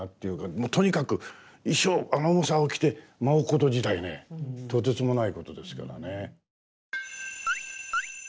もうとにかく衣装あの重さを着て舞うこと自体ねとてつもないことですからね。